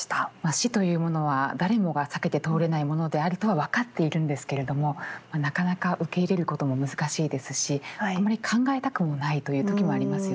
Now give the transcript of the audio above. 死というものは誰もが避けて通れないものであるとは分かっているんですけれどもなかなか受け入れることも難しいですしあんまり考えたくもないという時もありますよね。